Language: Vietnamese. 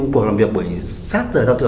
sau cuộc làm việc sát rời giao thừa